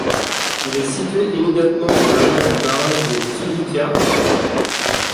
Il est situé immédiatement en aval du barrage de Kılıçkaya.